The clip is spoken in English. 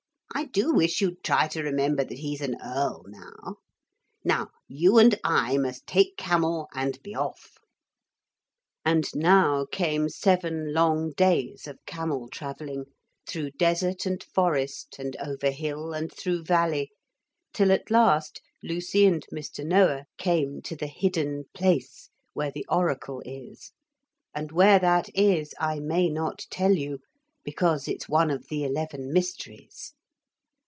I do wish you'd try to remember that he's an earl now. Now you and I must take camel and be off.' And now came seven long days of camel travelling, through desert and forest and over hill and through valley, till at last Lucy and Mr. Noah came to the Hidden Place where the oracle is, and where that is I may not tell you because it's one of the eleven mysteries.